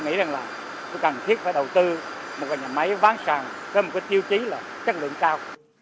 nghĩ rằng là cái cần thiết phải đầu tư một cái nhà máy bán sàng với một cái tiêu chí là chất lượng cao